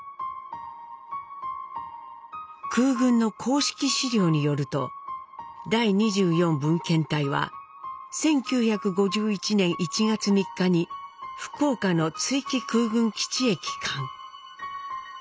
空軍の公式資料によると第２４分遣隊は１９５１年１月３日に福岡の築城空軍基地へ帰還。